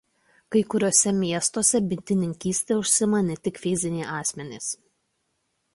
Kai kuriuose miestuose bitininkyste užsiima ne tik fiziniai asmenys.